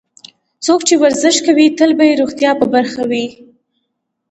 څوک چې ورزش کوي، تل به یې روغتیا په برخه وي.